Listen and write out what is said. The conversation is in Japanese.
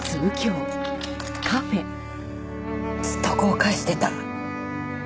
ずっと後悔してた。